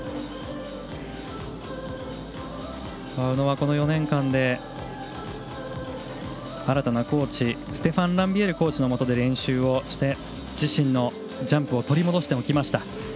宇野はこの４年間で新たなコーチステファン・ランビエールコーチのもとで練習して自身のジャンプを取り戻してきました。